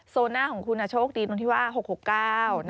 โซน่าของคุณโชคดีตรงที่ว่า๖๖๙